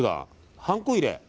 はんこ入れ？